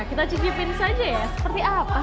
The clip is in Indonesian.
kita cikipin saja ya seperti apa sih rasanya